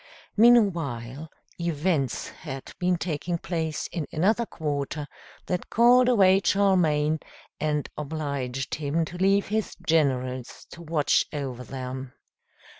Meanwhile events had been taking place in another quarter, that called away Charlemagne, and obliged him to leave his generals to watch over them.